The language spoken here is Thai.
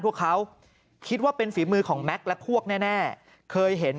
พวกเขาคิดว่าเป็นฝีมือของแม็กซ์และพวกแน่เคยเห็น